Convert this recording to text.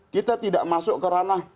kita tidak masuk ke ranah